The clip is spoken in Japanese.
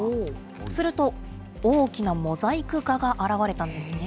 すると、大きなモザイク画が現れたんですね。